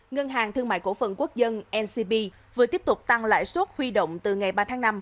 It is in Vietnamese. ngân hàng thương mại cổ phần quốc dân ncb vừa tiếp tục tăng lãi suất huy động từ ngày ba tháng năm